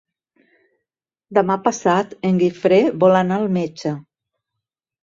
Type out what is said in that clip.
Demà passat en Guifré vol anar al metge.